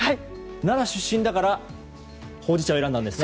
奈良出身だからほうじ茶を選んだんですよね。